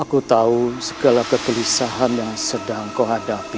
aku tahu segala kegelisahan yang sedang kau hadapi